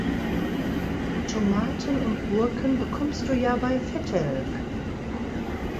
Tomaten und Gurken bekommst du ja bei Vettelk